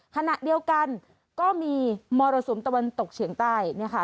ขณะเดียวกันก็มีมรสุมตะวันตกเฉียงใต้เนี่ยค่ะ